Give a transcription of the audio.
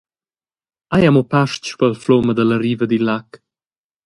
Ei ha mo pastg spel flum ed alla riva dil lag.